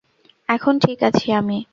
এখন ঠিক আছি আমি।